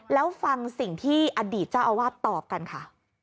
แล้วฟังสิ่งที่อดีตเจ้าอาวาสตอบกันค่ะ